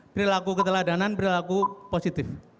perilaku keteladanan perilaku positif